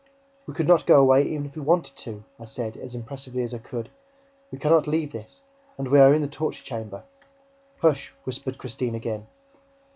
"We could not go away, even if we wanted to," I said, as impressively as I could. "We can not leave this! And we are in the torture chamber!" "Hush!" whispered Christine again.